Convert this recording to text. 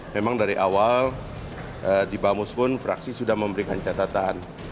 memang dari awal di bamus pun fraksi sudah memberikan catatan